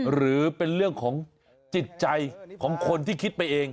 หรือเป็นเรื่องของจิตใจของคนที่คิดไปเอง